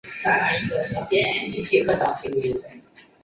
黎文敔是南定省春长府胶水县万禄社人。